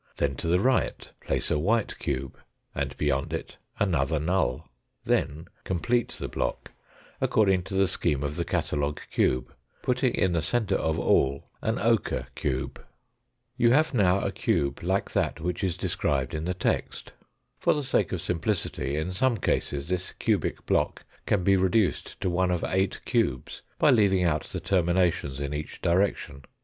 Then to the right place a white cube and beyond it another null. Then complete the block, according to the scheme of the catalogue cube, putting in the centre of all an ochre cube. You have now a cube like that which is described in the text. For the sake of simplicity, in some cases, this cubic block can be reduced to one of eight cubes, by leaving out the terminations in each direction.